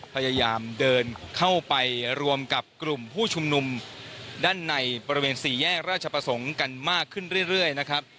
พยายามเดินเข้าไปรวมกับกลุ่มผู้ชุมนุมด้านในบริเวณสี่แยกราชประสงค์กันมากขึ้นเรื่อยนะครับ